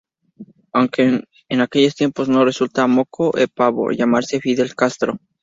Aunque en aquellos tiempos no resultaba "moco ´e pavo" llamarse "Fidel Castro".